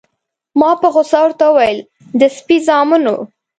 ما په غوسه ورته وویل: د سپي زامنو.